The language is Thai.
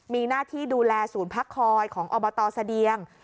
มีหน้าที่ดูแลศูนย์พักคอยของอบตเสดียง